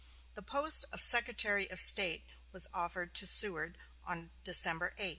The post of Secretary of State was offered to Seward on December 8.